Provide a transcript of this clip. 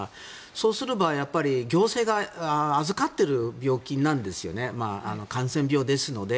そうすれば、行政が預かっている病気なんですよね感染病ですので。